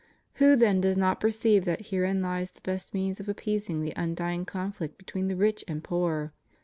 Who then does not per ceive that herein lies the best means of appeasing the undying conflict between the rich and poor?